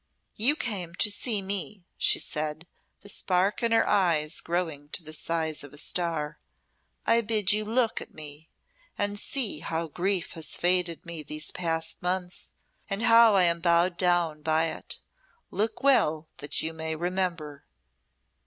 "You came to see me," she said, the spark in her eyes growing to the size of a star; "I bid you look at me and see how grief has faded me these past months, and how I am bowed down by it. Look well that you may remember."